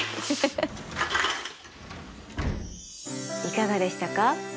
いかがでしたか？